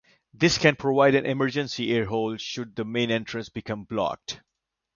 This can provide an emergency air hole should the main entrance become blocked.